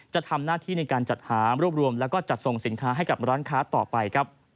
จะทำหน้าที่ในการจัดหารวบรวมแล้วก็จัดส่งสินค้าให้กับร้านค้าต่อไปครับ